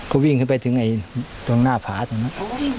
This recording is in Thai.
ก็วิ่งขึ้นไปถึงตรงหน้าผาตรงนั้น